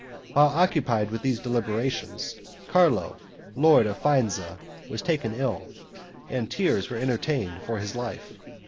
While occupied with these deliberations, Carlo, lord of Faenza, was taken ill, and tears were entertained for his life.